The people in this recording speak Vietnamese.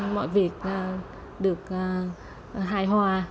mọi việc được hài hòa